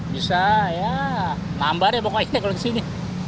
bisa ya nambah deh pokoknya kalau di sini